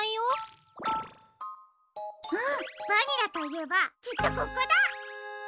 うんバニラといえばきっとここだ！